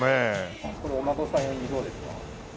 これお孫さん用にどうですか？